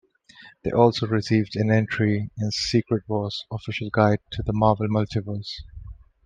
They also received an entry in "Secret Wars Official Guide to the Marvel Multiverse".